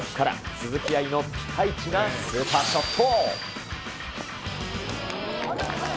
鈴木愛のピカイチなスーパーショット。